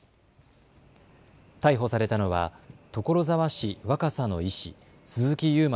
逮捕されたのは所沢市若狭の医師、鈴木佑麿